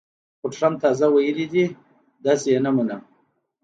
خو ټرمپ تازه ویلي، داسې یې نه منم